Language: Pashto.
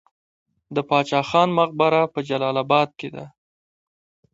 د باچا خان مقبره په جلال اباد کې ده